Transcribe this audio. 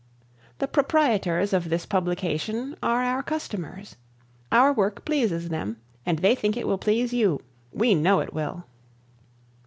The proprietors of this publication are our customers. Our work pleases them and they think it will please you. We know it will.